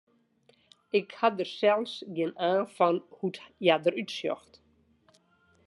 Ik ha der sels gjin aan fan hoe't hja derút sjocht.